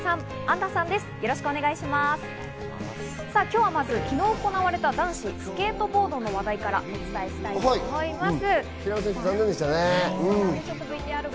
今日はまず昨日行われた男子スケートボードの話題からお伝えしたいと思います。